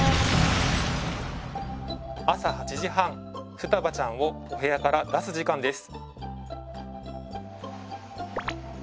ふたばちゃんをお部屋から出す時間です